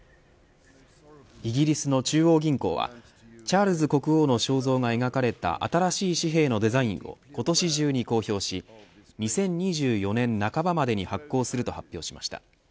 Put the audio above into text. イギリスの中央銀行はチャールズ国王の肖像が描かれた新しい紙幣のデザインを今年中に公表し２０２４年半までに発行すると発表しました。